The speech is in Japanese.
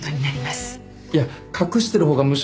いや隠してる方がむしろ。